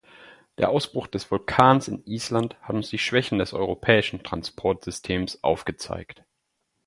Der Ausbruch des Vulkans in Island hat uns die Schwächen des europäischen Transportsystems aufgezeigt.